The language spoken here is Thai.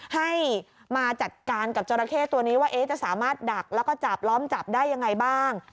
ให้มาจัดการกับจราเข้ตัวนี้ว่าจะสามารถดักแล้วก็จับล้อมจับได้ยังไงบ้าง